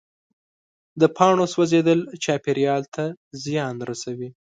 د پاڼو سوځېدل چاپېریال ته زیان رسوي.